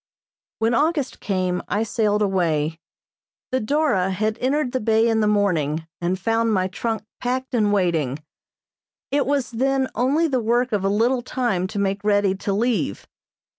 When August came I sailed away. The "Dora" had entered the bay in the morning and found my trunk packed and waiting; it was then only the work of a little time to make ready to leave.